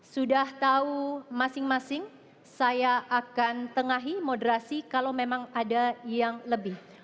sudah tahu masing masing saya akan tengahi moderasi kalau memang ada yang lebih